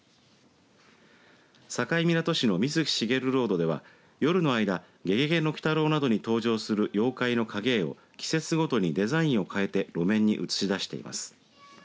境港市の水木しげるロードでは夜の間、ゲゲゲの鬼太郎などに登場する妖怪の影絵を季節ごとにデザインを変えて路面に映し出しています。